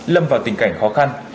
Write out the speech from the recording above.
lâm vào tình cảnh khó khăn